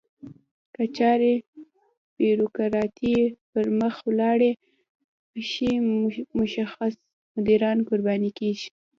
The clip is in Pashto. که چارې بیوروکراتیکي پرمخ ولاړې شي متخصص مدیران قرباني کیږي.